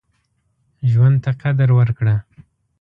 ژوند ته قدر وکړه.